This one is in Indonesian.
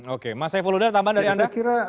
oke mas evo luda tambahan dari anda